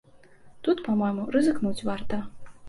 Тут, па-мойму, рызыкнуць варта.